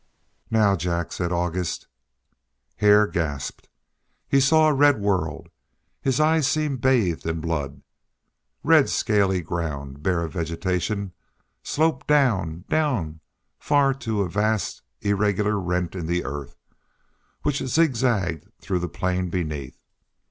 "Now, Jack," said August. Hare gasped. He saw a red world. His eyes seemed bathed in blood. Red scaly ground, bare of vegetation, sloped down, down, far down to a vast irregular rent in the earth, which zigzagged through the plain beneath.